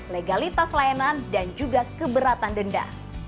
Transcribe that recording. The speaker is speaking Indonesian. legalitas layanan dan juga keberatan denda